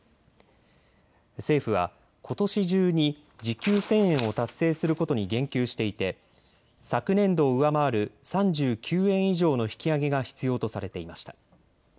政府はことし中に時給１０００円を達成することに言及していて昨年度を上回る３９円以上の引き上げが必要とされていました。